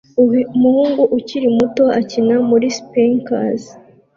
Umuhungu ukiri muto akina muri spinkers